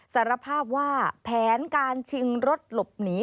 สารภาพว่าแผนการชิงรถหลบหนี